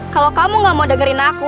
kalau kamu gak mau dengerin aku